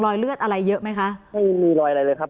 เลือดอะไรเยอะไหมคะไม่มีรอยอะไรเลยครับ